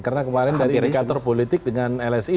karena kemarin dari indikator politik dengan lsi